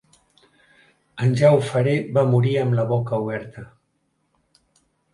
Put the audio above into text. En Ja Ho Faré va morir amb la boca oberta.